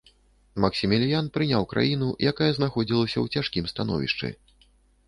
Максіміліян прыняў краіну, якая знаходзілася ў цяжкім становішчы.